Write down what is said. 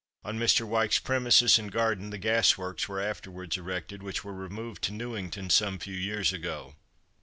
On Mr. Wyke's premises and garden the Gas Works were afterwards erected, which were removed to Newington some few years ago.